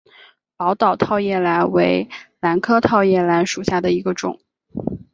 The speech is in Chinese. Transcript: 宝岛套叶兰为兰科套叶兰属下的一个种。